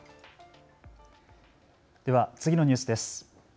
では次のニュースです。